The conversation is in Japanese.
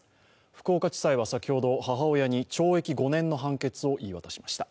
福岡地裁は先ほど母親に、懲役５年の判決を言い渡しました。